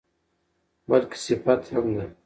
بلکې صفت هم ده.